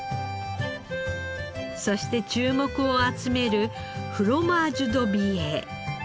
そして注目を集めるフロマージュ・ド・美瑛。